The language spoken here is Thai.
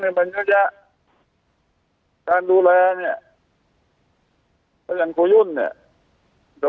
เนี้ยมันเยอะแยะการดูแลเนี้ยก็อย่างครูยุนเนี้ยแต่